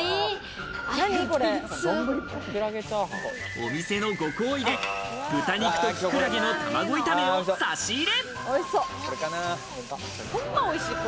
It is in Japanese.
お店のご厚意で、豚肉とキクラゲの卵炒めを差し入れ。